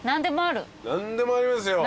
何でもありますよ。